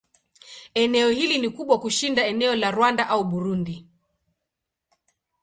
Eneo hili ni kubwa kushinda eneo la Rwanda au Burundi.